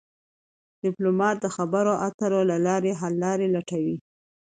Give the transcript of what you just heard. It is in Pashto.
ډيپلومات د خبرو اترو له لارې حل لارې لټوي.